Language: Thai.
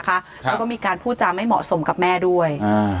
แล้วก็มีการพูดจาไม่เหมาะสมกับแม่ด้วย